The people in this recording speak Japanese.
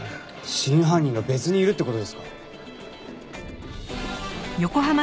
真犯人が別にいるって事ですか？